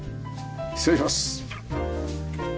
失礼します。